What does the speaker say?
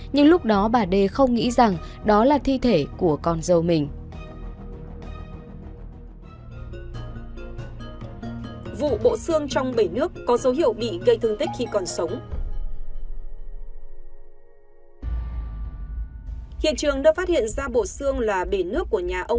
nhưng lúc đó bà d không nghĩ rằng đó là thi thể của con dâu mình